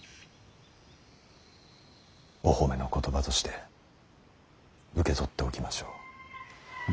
お褒めの言葉として受け取っておきましょう。